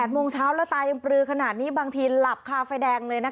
โมงเช้าแล้วตายังปลือขนาดนี้บางทีหลับคาไฟแดงเลยนะคะ